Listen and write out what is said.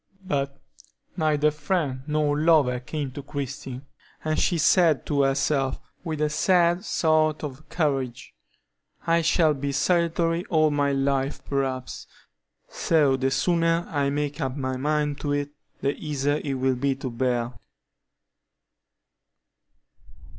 But neither friend nor lover came to Christie, and she said to herself, with a sad sort of courage: "I shall be solitary all my life, perhaps; so the sooner I make up my mind to it, the easier it will be to bear."